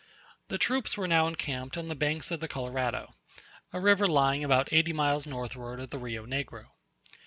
The troops were now encamped on the banks of the Colorado; a river lying about eighty miles northward of the Rio Negro.